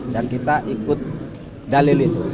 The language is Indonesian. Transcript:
dan kita ikut dalil itu